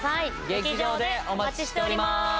劇場でお待ちしております。